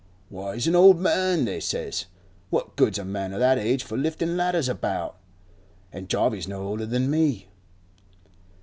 "Why, he's an old man," they says. "What good's a man of that age for liftin' ladders about?" An' Jarvey's no older than me.